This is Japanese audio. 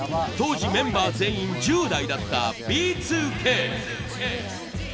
当時メンバー全員１０代だったＢ２Ｋ。